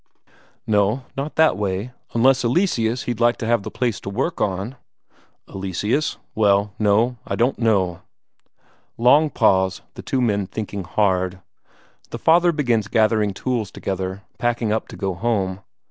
"No, not that way.... Unless Eleseus he'd like to have the place to work on." "Eleseus? Well, no, I don't know " Long pause, the two men thinking hard. The father begins gathering tools together, packing up to go home.